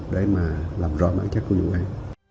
để mà làm rõ bản chất của vụ án